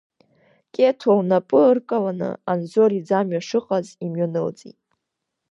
Қьеҭо лнапы ыркаланы Анзор иӡамҩа шыҟаз имҩанылҵеит.